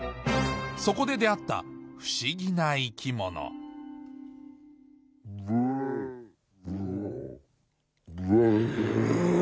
そこで出合った不思議な生き物トトロ！